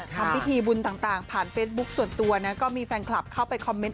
ทำพิธีบุญต่างผ่านเฟซบุ๊คส่วนตัวนะก็มีแฟนคลับเข้าไปคอมเมนต